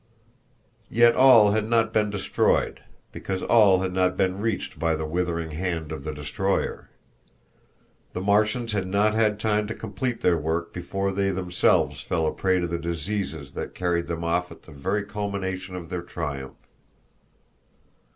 Yet all had not been destroyed, because all had not been reached by the withering hand of the destroyer. The Martians had not had time to complete their work before they themselves fell a prey to the diseases that carried them off at the very culmination of their triumph.